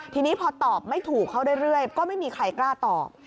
ทีนี้พอตอบไม่ถูกเข้าเรื่อยก็ไม่มีใครกล้าตอบ